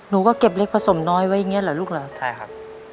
หนูก็เก็บเล็กผสมน้อยไว้อย่างเงี้เหรอลูกเหรอใช่ครับ